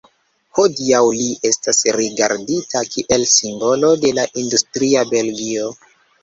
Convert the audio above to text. Hodiaŭ li estas rigardita kiel simbolo de la industria Belgio.